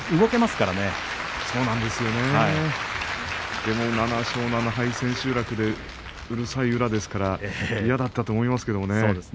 でも７勝７敗、千秋楽でうるさい宇良ですから嫌だったと思いますけどね。